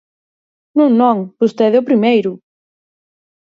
Non, non, vostede o primeiro.